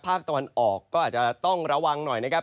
ภาคตะวันออกก็อาจจะต้องระวังหน่อยนะครับ